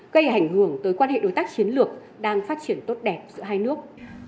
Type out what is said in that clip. gây ảnh hưởng tới quan hệ đối tác chiến lược đang phát triển tốt đẹp giữa hai nước